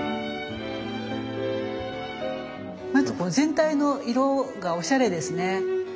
まず全体の色がおしゃれですね。